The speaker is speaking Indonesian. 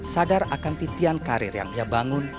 sadar akan titian karir yang ia bangun